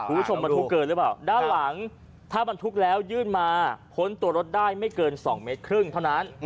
คุณผู้ชมบรรทุกเกินหรือเปล่าด้านหลังถ้าบรรทุกแล้วยื่นมาพ้นตัวรถได้ไม่เกินสองเมตรครึ่งเท่านั้น